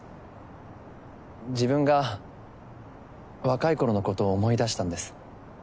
自分が若い頃のことを思い出したんです。